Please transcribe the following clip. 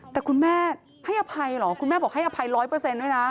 แต่คุณแม่ให้อภัยเหรอคุณแม่บอกให้อภัยร้อยเปอร์เซ็นต์ด้วยนะ